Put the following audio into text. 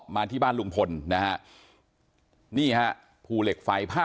พูดอย่างนี้ดีกว่า